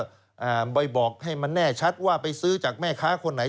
อ่าบ่อยบอกให้มันแน่ชัดว่าไปซื้อจากแม่ค้าคนไหน